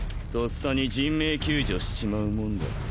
咄嗟に人命救助しちまうもんだ。